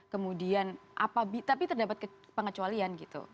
kemudian tapi terdapat pengecualian gitu